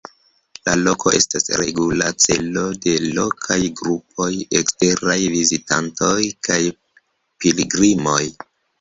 La loko estas regula celo de lokaj grupoj, eksteraj vizitantoj kaj pilgrimoj.